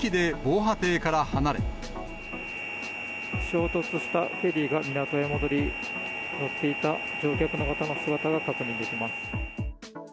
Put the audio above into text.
衝突したフェリーが港へ戻り、乗っていた乗客の方の姿が確認できます。